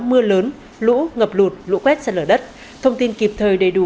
mưa lớn lũ ngập lụt lũ quét sạt lở đất thông tin kịp thời đầy đủ